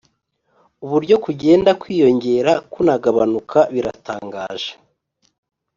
uburyo kugenda kwiyongera kunagabanuka biratangaje;